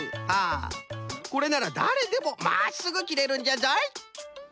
これならだれでもまっすぐ切れるんじゃぞい。